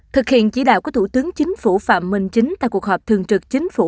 thực hiện chỉ đạo của thủ tướng chính phủ phạm minh chính tại cuộc họp thường trực chính phủ